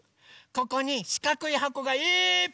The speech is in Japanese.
ここにしかくいはこがいっぱいありますね。